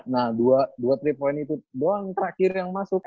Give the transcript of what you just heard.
nah dua tiga point itu doang terakhir yang masuk